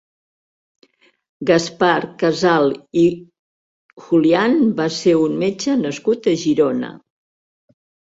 Gaspar Casal i Julián va ser un metge nascut a Girona.